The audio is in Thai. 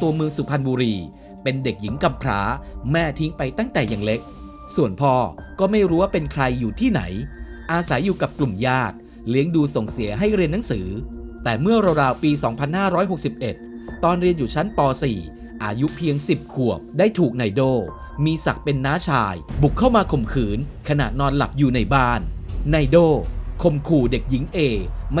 ตัวเมืองสุพรรณบุรีเป็นเด็กหญิงกำพราแม่ทิ้งไปตั้งแต่ยังเล็กส่วนพ่อก็ไม่รู้ว่าเป็นใครอยู่ที่ไหนอาศัยอยู่กับกลุ่มญาติเลี้ยงดูส่งเสียให้เรียนหนังสือแต่เมื่อราวปี๒๕๖๑ตอนเรียนอยู่ชั้นป๔อายุเพียง๑๐ขวบได้ถูกนายโด่มีศักดิ์เป็นน้าชายบุกเข้ามาข่มขืนขณะนอนหลับอยู่ในบ้านไนโด่คมขู่เด็กหญิงเอม